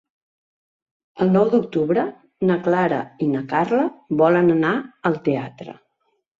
El nou d'octubre na Clara i na Carla volen anar al teatre.